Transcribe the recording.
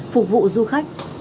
phục vụ du khách